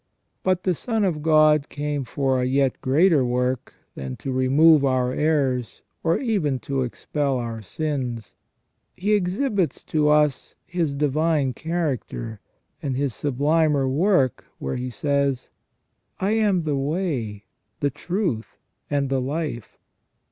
But the Son of God came for a yet greater work than to remove our errors, or even to expel our sins. He exhibits to us His divine character and His sublimer work where He says :" I am the way, the truth, and the life